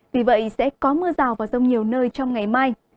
vì vậy sẽ có mưa rào và rông nhiều nơi trong ngày mai